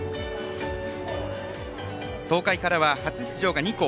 東海からは初出場が２校。